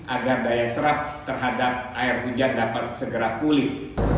agar daya serap terhadap air hujan dapat segera pulih